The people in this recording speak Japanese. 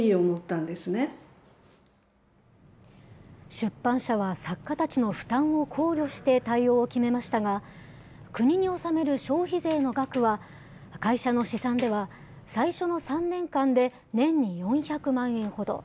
出版社は作家たちの負担を考慮して対応を決めましたが、国に納める消費税の額は、会社の試算では最初の３年間で年に４００万円ほど。